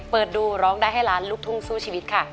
เปิดดูร้องได้ให้ล้านลูกทุ่งสู้ชีวิตค่ะ